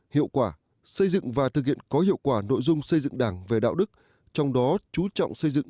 hiệu quả xây dựng và thực hiện có hiệu quả nội dung xây dựng đảng về đạo đức trong đó chú trọng xây dựng